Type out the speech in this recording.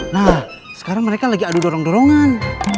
nah sekarang mereka lagi adu dorong dorongan